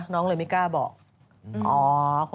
น้องเลยไม่กล้าบอก